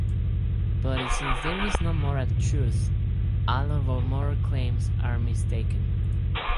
But since there is no moral truth, all of our moral claims are mistaken.